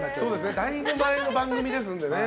だいぶ前の番組ですからね。